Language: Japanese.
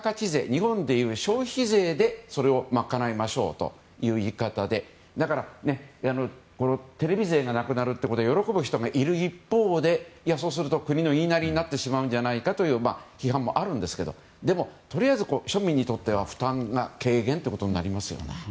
日本でいう消費税でそれを賄いましょうという言い方でだから、テレビ税がなくなるということは喜ぶ人がいる一方でそうすると国の言いなりになってしまうのではと批判もあるんですけどでも、とりあえず庶民にとっては負担軽減となりますよね。